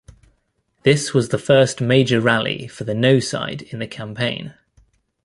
This was the first major rally for the "No" side in the campaign.